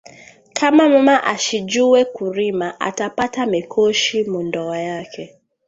Kama mama ashi juwe ku rima ata pata mikoshi mu ndoa yake